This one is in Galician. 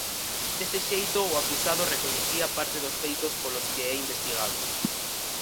Deste xeito, o acusado recoñecía parte dos feitos polos que é investigado.